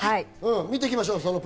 見ていきましょう。